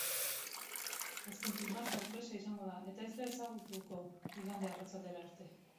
Azken filma sorpresa izango da eta ez da ezagutuko igande arratsaldera arte.